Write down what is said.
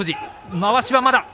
まわしは、まだ。